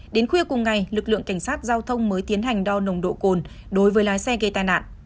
đến khuya cùng ngày lực lượng cảnh sát giao thông mới tiến hành đo nồng độ cồn đối với lái xe gây tai nạn